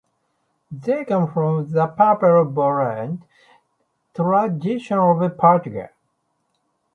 They come from the "papel volante" tradition of Portugal.